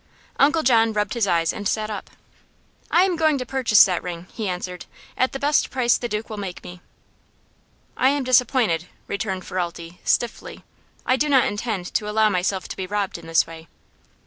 Uncle John rubbed his eyes and sat up. "I'm going to purchase that ring," he answered, "at the best price the Duke will make me." "I am disappointed," returned Ferralti, stiffly. "I do not intend to allow myself to be robbed in this way."